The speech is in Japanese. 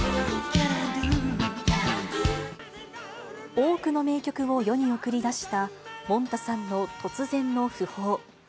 多くの名曲を世に送り出したもんたさんの突然の訃報。